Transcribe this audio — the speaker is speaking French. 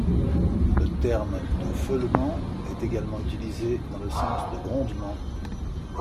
Le terme de feulement est également utilisé dans le sens de grondement.